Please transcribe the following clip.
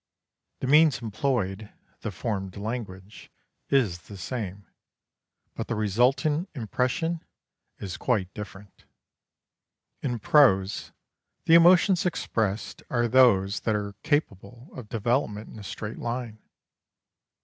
The means employed, the formed language, is the same: but the resultant impression is quite different. In prose, the emotions expressed are those that are capable of development in a straight line.